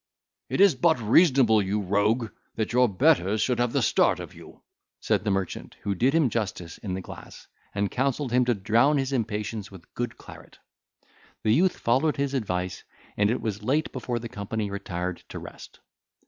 "It is but reasonable, you rogue, that your betters should have the start of you," said the merchant, who did him justice in the glass, and counselled him to drown his impatience with good claret. The youth followed his advice, and it was late before the company retired to rest.